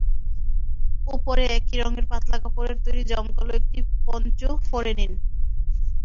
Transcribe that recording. ওপরে একই রঙের পাতলা কাপড়ের তৈরি জমকালো একটি পন্চো পরে নিন।